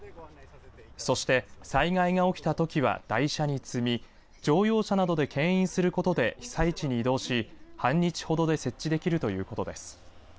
そして災害が起きたときは台車に積み乗用車などでけん引することで被災地に移動し半日ほどで設置できるということです。